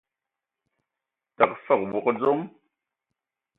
Təgə fəg wog dzom.